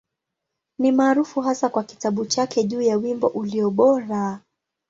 Ni maarufu hasa kwa kitabu chake juu ya Wimbo Ulio Bora.